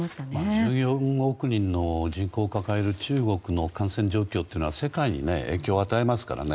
１４億人の人口を抱える中国の感染状況は世界に影響を与えますからね。